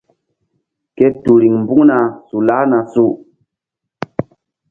Ke tul riŋ mbuŋna su lahna su.